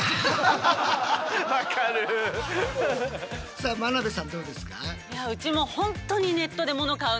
さあ眞鍋さんどうですか？